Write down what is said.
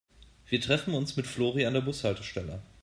Wir treffen uns mit Flori an der Bushaltestelle.